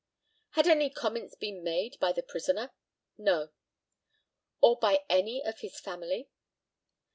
Had any comments been made by the prisoner? No. Or by any of his family?